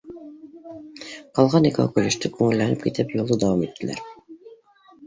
Ҡалған икәү көлөштө, күңелләнеп китеп, юлды дауам иттеләр